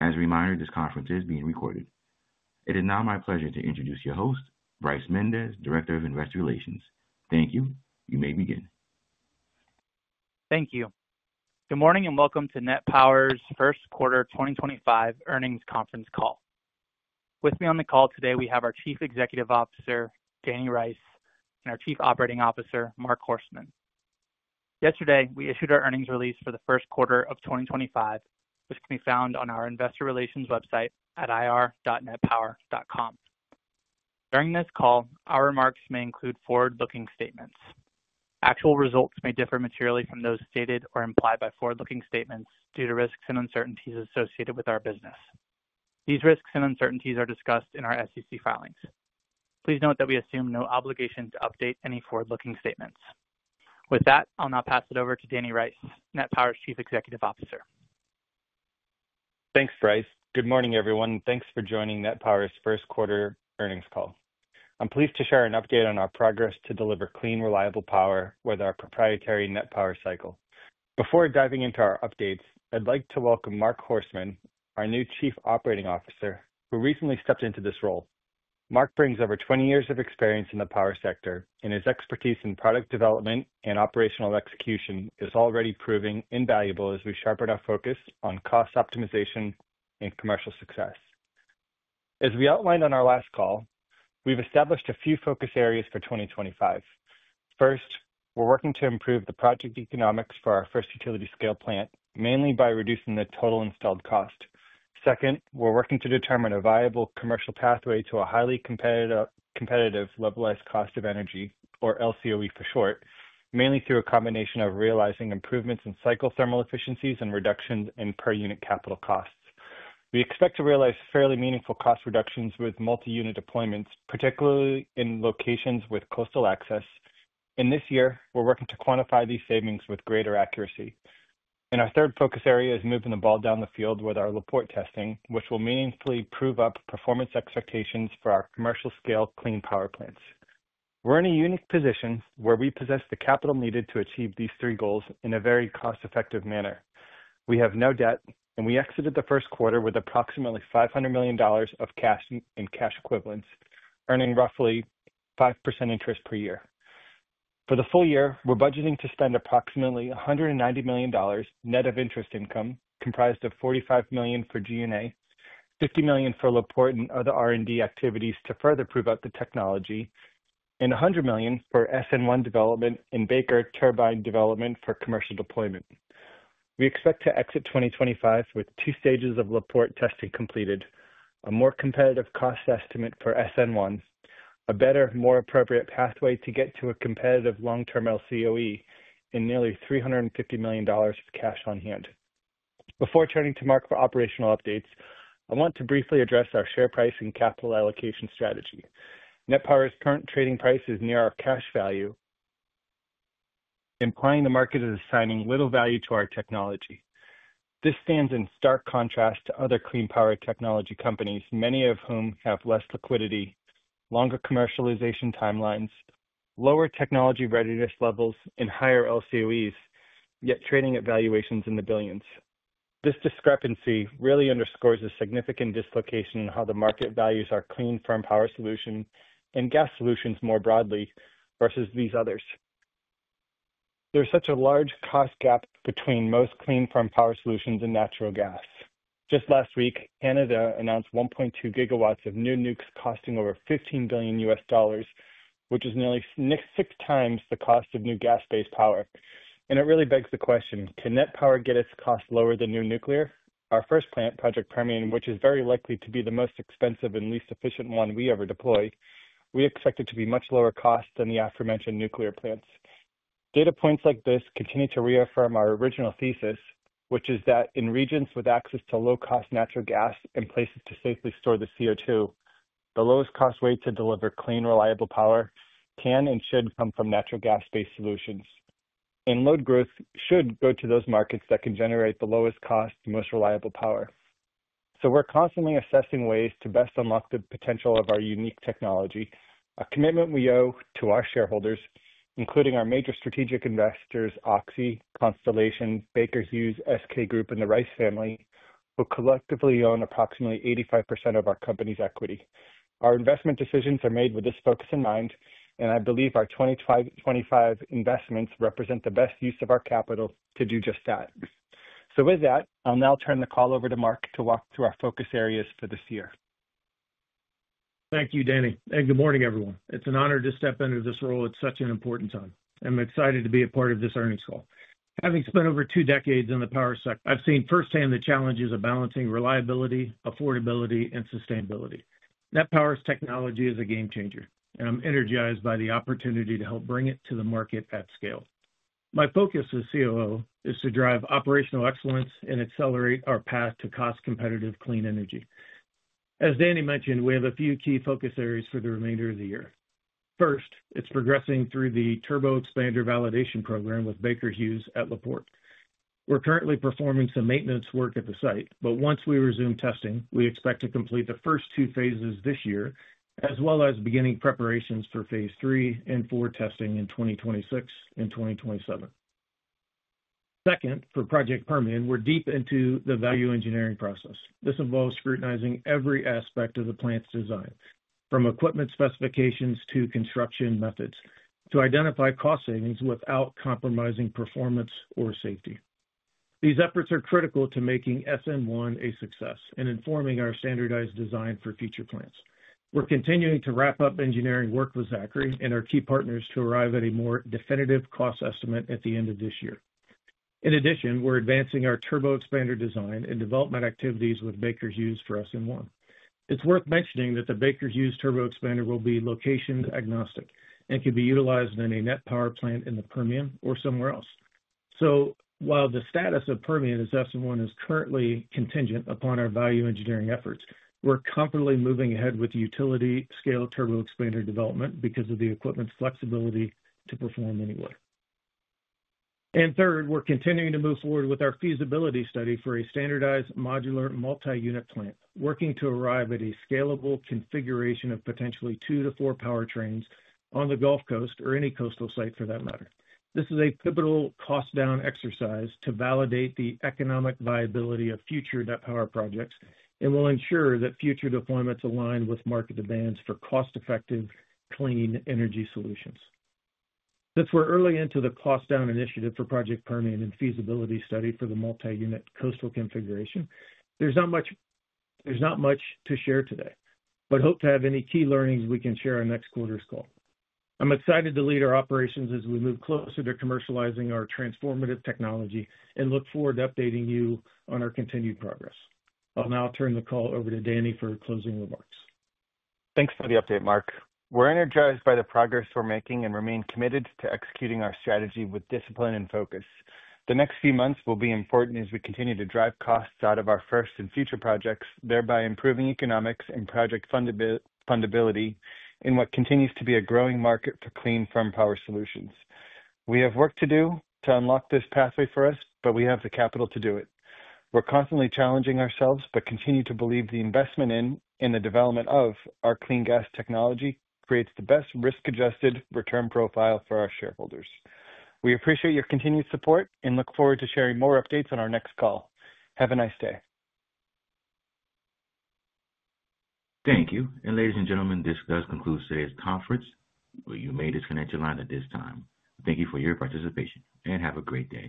As a reminder, this conference is being recorded. It is now my pleasure to introduce your host, Bryce Mendes, Director of Investor Relations. Thank you. You may begin. Thank you. Good morning and welcome to NetPower's First Quarter 2025 Earnings Conference Call. With me on the call today, we have our Chief Executive Officer, Danny Rice, and our Chief Operating Officer, Marc Horstman. Yesterday, we issued our earnings release for the first quarter of 2025, which can be found on our Investor Relations website at ir.netpower.com. During this call, our remarks may include forward-looking statements. Actual results may differ materially from those stated or implied by forward-looking statements due to risks and uncertainties associated with our business. These risks and uncertainties are discussed in our SEC filings. Please note that we assume no obligation to update any forward-looking statements. With that, I'll now pass it over to Danny Rice, NetPower's Chief Executive Officer. Thanks, Bryce. Good morning, everyone. Thanks for joining NetPower's First Quarter Earnings Call. I'm pleased to share an update on our progress to deliver clean, reliable power with our proprietary NetPower cycle. Before diving into our updates, I'd like to welcome Marc Horstman, our new Chief Operating Officer, who recently stepped into this role. Marc brings over 20 years of experience in the power sector, and his expertise in product development and operational execution is already proving invaluable as we sharpen our focus on cost optimization and commercial success. As we outlined on our last call, we've established a few focus areas for 2025. First, we're working to improve the project economics for our first utility-scale plant, mainly by reducing the total installed cost. Second, we're working to determine a viable commercial pathway to a highly competitive localized cost of energy, or LCOE for short, mainly through a combination of realizing improvements in cycle thermal efficiencies and reductions in per-unit capital costs. We expect to realize fairly meaningful cost reductions with multi-unit deployments, particularly in locations with coastal access. This year, we're working to quantify these savings with greater accuracy. Our third focus area is moving the ball down the field with our La Porte testing, which will meaningfully prove up performance expectations for our commercial-scale clean power plants. We're in a unique position where we possess the capital needed to achieve these three goals in a very cost-effective manner. We have no debt, and we exited the first quarter with approximately $500 million of cash in cash equivalents, earning roughly 5% interest per year. For the full year, we're budgeting to spend approximately $190 million net of interest income, comprised of $45 million for G&A, $50 million for La Porte and other R&D activities to further prove out the technology, and $100 million for SN1 development and Baker turbine development for commercial deployment. We expect to exit 2025 with two stages of La Porte testing completed, a more competitive cost estimate for SN1, a better, more appropriate pathway to get to a competitive long-term LCOE, and nearly $350 million of cash on hand. Before turning to Marc for operational updates, I want to briefly address our share price and capital allocation strategy. NET Power's current trading price is near our cash value, implying the market is assigning little value to our technology. This stands in stark contrast to other clean power technology companies, many of whom have less liquidity, longer commercialization timelines, lower technology readiness levels, and higher LCOEs, yet trading at valuations in the billions. This discrepancy really underscores a significant dislocation in how the market values our clean firm power solution and gas solutions more broadly versus these others. There's such a large cost gap between most clean firm power solutions and natural gas. Just last week, Canada announced 1.2 gigawatts of new nukes costing over $15 billion, which is nearly six times the cost of new gas-based power. It really begs the question: can NetPower get its cost lower than new nuclear? Our first plant, Project Permian, which is very likely to be the most expensive and least efficient one we ever deployed, we expect it to be much lower cost than the aforementioned nuclear plants. Data points like this continue to reaffirm our original thesis, which is that in regions with access to low-cost natural gas and places to safely store the CO2, the lowest cost way to deliver clean, reliable power can and should come from natural gas-based solutions. Load growth should go to those markets that can generate the lowest cost, most reliable power. We are constantly assessing ways to best unlock the potential of our unique technology, a commitment we owe to our shareholders, including our major strategic investors, Oxy, Constellation, Baker Hughes, SK Group, and the Rice family, who collectively own approximately 85% of our company's equity. Our investment decisions are made with this focus in mind, and I believe our 2025 investments represent the best use of our capital to do just that. With that, I'll now turn the call over to Marc to walk through our focus areas for this year. Thank you, Danny. Good morning, everyone. It is an honor to step into this role at such an important time. I am excited to be a part of this earnings call. Having spent over two decades in the power sector, I have seen firsthand the challenges of balancing reliability, affordability, and sustainability. NetPower's technology is a game changer, and I am energized by the opportunity to help bring it to the market at scale. My focus as COO is to drive operational excellence and accelerate our path to cost-competitive clean energy. As Danny mentioned, we have a few key focus areas for the remainder of the year. First, it is progressing through the turboexpander validation program with Baker Hughes at La Porte. We're currently performing some maintenance work at the site, but once we resume testing, we expect to complete the first two phases this year, as well as beginning preparations for phase three and four testing in 2026 and 2027. Second, for Project Permian, we're deep into the value engineering process. This involves scrutinizing every aspect of the plant's design, from equipment specifications to construction methods, to identify cost savings without compromising performance or safety. These efforts are critical to making SN1 a success and informing our standardized design for future plants. We're continuing to wrap up engineering work with Zachry and our key partners to arrive at a more definitive cost estimate at the end of this year. In addition, we're advancing our turboexpander design and development activities with Baker Hughes for SN1. It's worth mentioning that the Baker Hughes turboexpander will be location agnostic and can be utilized in a NetPower plant in the Permian or somewhere else. While the status of Permian as SN1 is currently contingent upon our value engineering efforts, we're confidently moving ahead with utility-scale turboexpander development because of the equipment's flexibility to perform anywhere. Third, we're continuing to move forward with our feasibility study for a standardized modular multi-unit plant, working to arrive at a scalable configuration of potentially two to four power trains on the Gulf Coast or any coastal site for that matter. This is a pivotal cost-down exercise to validate the economic viability of future NetPower projects and will ensure that future deployments align with market demands for cost-effective, clean energy solutions. Since we're early into the cost-down initiative for Project Permian and feasibility study for the multi-unit coastal configuration, there's not much to share today, but hope to have any key learnings we can share on next quarter's call. I'm excited to lead our operations as we move closer to commercializing our transformative technology and look forward to updating you on our continued progress. I'll now turn the call over to Danny for closing remarks. Thanks for the update, Marc. We're energized by the progress we're making and remain committed to executing our strategy with discipline and focus. The next few months will be important as we continue to drive costs out of our first and future projects, thereby improving economics and project fundability in what continues to be a growing market for clean firm power solutions. We have work to do to unlock this pathway for us, but we have the capital to do it. We're constantly challenging ourselves, but continue to believe the investment in and the development of our clean gas technology creates the best risk-adjusted return profile for our shareholders. We appreciate your continued support and look forward to sharing more updates on our next call. Have a nice day. Thank you. Ladies and gentlemen, this does conclude today's conference. You may disconnect your line at this time. Thank you for your participation and have a great day.